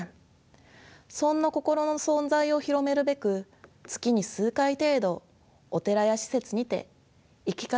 そんな心の存在を広めるべく月に数回程度お寺や施設にて「生き方」